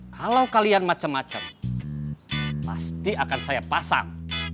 kalau kalian macem macem pasti akan saya pasang